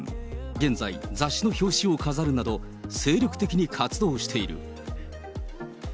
現在、雑誌の表紙を飾るなど、精力的に活動している。